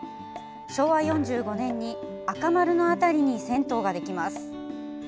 昭和４５年に赤丸の辺りに銭湯ができます。